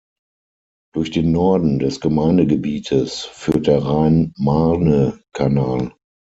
Durch den Norden des Gemeindegebietes führt der Rhein-Marne-Kanal.